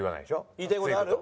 言いたい事ある？